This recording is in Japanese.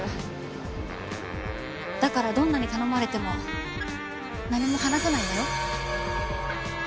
だからどんなに頼まれても何も話さないわよ。